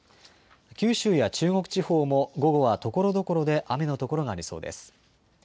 九州や中国地方も午後はところどころで雨のところがありそうです。